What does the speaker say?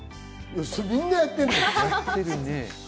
みんなやってるよ。